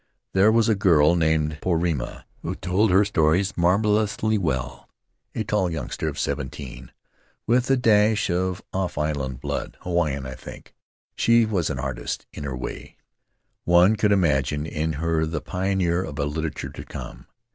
There was a girl named Porima who told her stories marvelously well — a tall youngster of seventeen, with a dash of off island blood; Hawaiian, I think* She was an artist in her way; one could imagine in her the pioneer of a literature to come.